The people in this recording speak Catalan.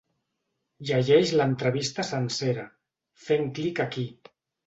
Llegeix l’entrevista sencera, fent clic aquí.